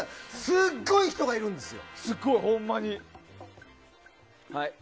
すごい人がいるんですよ。